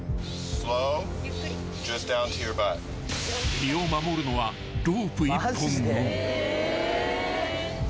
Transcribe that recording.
［身を守るのはロープ１本のみ］